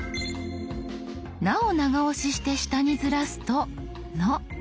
「な」を長押しして下にずらすと「の」。